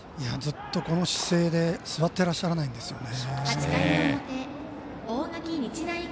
ずっと、この姿勢で座ってらっしゃらないんですね。